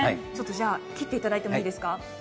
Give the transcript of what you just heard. じゃ、切っていただいてもいいですか。